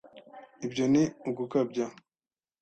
ibyo ni ugukabya